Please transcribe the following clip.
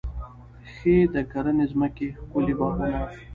ښې د کرنې ځمکې، ښکلي باغونه